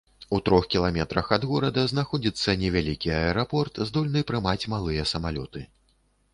У трох кіламетрах ад горада знаходзіцца невялікі аэрапорт, здольны прымаць малыя самалёты.